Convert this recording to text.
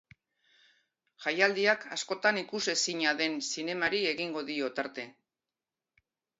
Jaialdiak askotan ikusezina den zinemari egingo dio tarte.